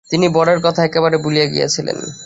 তিনি ঐ বরের কথা একেবারে ভুলিয়াই গিয়াছিলেন।